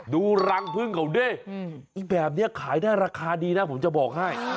ดูรังพึ่งเขาดิแบบนี้ขายได้ราคาดีนะผมจะบอกให้